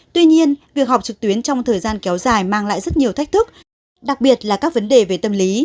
tuy nhiên việc họp trực tuyến trong thời gian kéo dài mang lại rất nhiều thách thức đặc biệt là các vấn đề về tâm lý